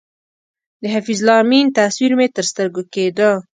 د حفیظ الله امین تصویر مې تر سترګو کېده.